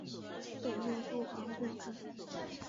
北魏复还故治。